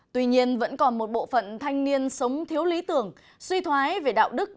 tuy nhiên vẫn còn một bộ phận thanh niên sống thiếu lý tưởng suy thoái về đạo đức